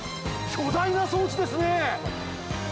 巨大な装置ですね！